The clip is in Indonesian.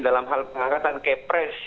dalam hal pengangkatan kepres